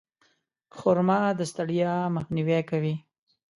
خرما د ستړیا مخنیوی کوي.